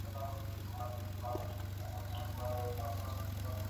دا خط کوږ دئ.